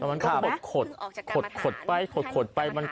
อันนี้ต้องถัดขดไป